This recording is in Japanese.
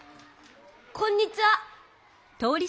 こんにちは。